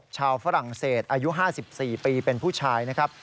ฝรั่งเศสอายุ๕๔ปีเป็นผู้ชายนะครับ